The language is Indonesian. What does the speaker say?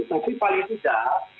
tapi paling tidak